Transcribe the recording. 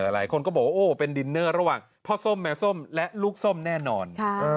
หลายคนก็บอกว่าโอ้เป็นดินเนอร์ระหว่างพ่อส้มแมวส้มและลูกส้มแน่นอน